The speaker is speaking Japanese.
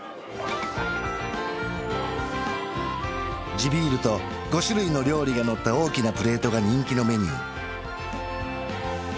地ビールと５種類の料理がのった大きなプレートが人気のメニュー